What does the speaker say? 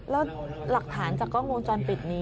อ๋อแล้วหลักฐานจากกล้องมูลจอนปิดนี้